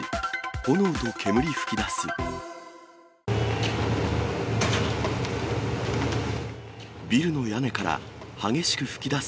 炎と煙噴き出す。